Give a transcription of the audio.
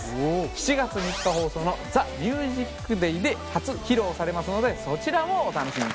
７月３日放送の『ＴＨＥＭＵＳＩＣＤＡＹ』で初披露されますのでそちらもお楽しみに。